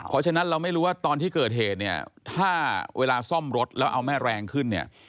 เพราะฉะนั้นเราไม่รู้ว่าตอนที่เกิดเหตุเนี่ยถ้าเวลาซ่อมรถแล้วเอาแม่แรงขึ้นเนี่ย